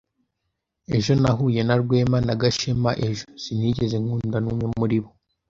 Ejo nahuye na Rwema na Gashema ejo. Sinigeze nkunda n'umwe muri bo.